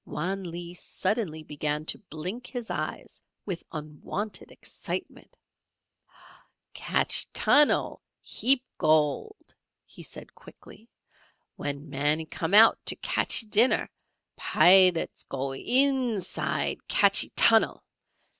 Wan Lee suddenly began to blink his eyes with unwonted excitement. "Catchee tunnel heap gold," he said, quickly. "When manee come outside to catchee dinner Pilats go inside catchee tunnel!